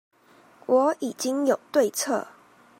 我已經有對策